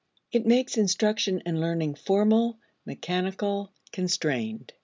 It makes instruction and learning formal, mechanical, constrained.